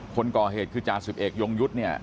คนก่อเหตุคือจ่าสิบเอกยงยุทธ์เนี่ย